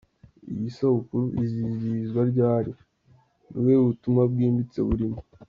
Iyi sabukuru izizihizwa ryari? Ni ubuhe butumwa bwimbitse burimo?.